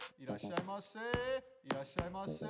いらっしゃいませ！